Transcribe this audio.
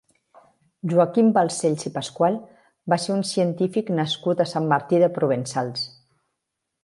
Joaquim Balcells i Pascual va ser un científic nascut a Sant Martí de Provençals.